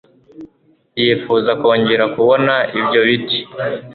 yifuza kongera kubona ibyo biti